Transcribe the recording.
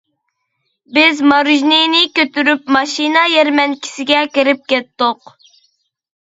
بىز ماروژنىنى كۆتۈرۈپ ماشىنا يەرمەنكىسىگە كىرىپ كەتتۇق.